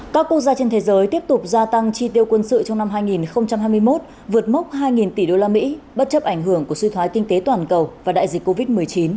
các quốc gia trên thế giới tiếp tục gia tăng chi tiêu quân sự trong năm hai nghìn hai mươi một vượt mốc hai tỷ usd bất chấp ảnh hưởng của suy thoái kinh tế toàn cầu và đại dịch covid một mươi chín